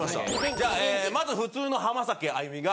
じゃあまず普通の浜崎あゆみが。